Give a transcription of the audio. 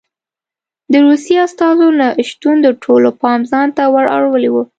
د روسیې استازو نه شتون د ټولو پام ځان ته ور اړولی و.